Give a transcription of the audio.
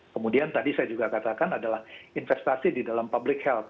kemudian tadi saya juga katakan adalah investasi di dalam public health